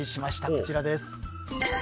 こちらです。